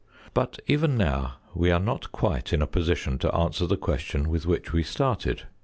But even now we are not quite in a position to answer the question with which we started.